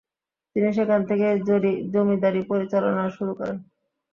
তিনি সেখান থেকেই জমিদারি পরিচালনা শুরু করেন।